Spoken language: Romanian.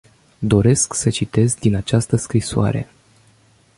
Doresc să citez din această scrisoare.